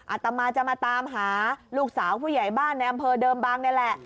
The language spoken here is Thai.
อาตมาจะมาตามหาลูกสาวผู้ใหญ่บ้านในอำเภอเดิมบางนี่แหละ